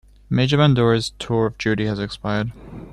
Major "Bandura"'s tour of duty has expired.